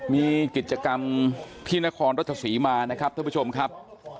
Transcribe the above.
มีกิจกรรมที่นครรัชศรีมานะครับท่านผู้ชมครับ